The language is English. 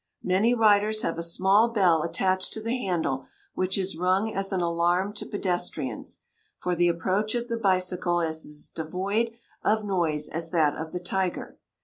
Many riders have a small bell attached to the handle, which is rung as an alarm to pedestrians, for the approach of the bicycle is as devoid of noise as that of the tiger.